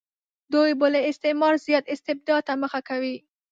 دوی به له استعمار زیات استبداد ته مخه کوي.